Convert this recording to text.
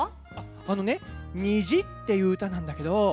あのね「にじ」っていううたなんだけど。